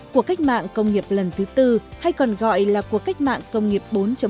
cuộc cách mạng công nghiệp lần thứ tư hay còn gọi là cuộc cách mạng công nghiệp bốn